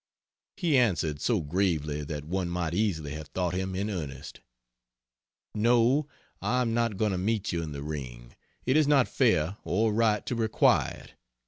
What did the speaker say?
He answered, so gravely that one might easily have thought him in earnest: "No I am not going to meet you in the ring. It is not fair or right to require it.